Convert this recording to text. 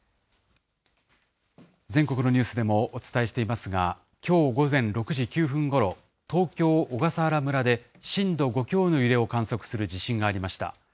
全国のニュースでもお伝えしていますが、きょう午前６時９分ごろ、東京・小笠原村で、震度５強の揺れを観測する地震がありました。